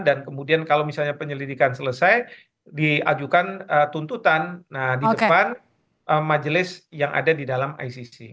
dan kemudian kalau misalnya penyelidikan selesai diajukan tuntutan di depan majelis yang ada di dalam icc